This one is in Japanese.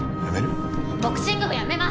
やめる？